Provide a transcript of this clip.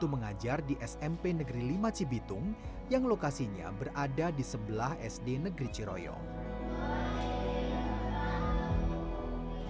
mengajar di smp negeri lima cibitung yang lokasinya berada di sebelah sd negeri ciroyong